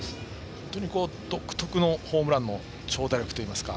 本当に独特なホームランの長打力といいますか。